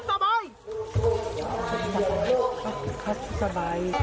ชอบ